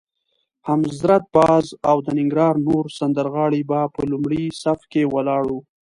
حضرت باز او د ننګرهار نور سندرغاړي به په لومړي صف کې ولاړ وي.